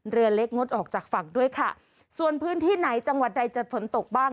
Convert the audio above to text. เรือเล็กงดออกจากฝั่งด้วยค่ะส่วนพื้นที่ไหนจังหวัดใดจะฝนตกบ้าง